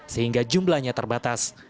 sehingga jumlahnya terbatas